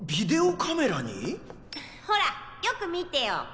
ホラよく見てよ。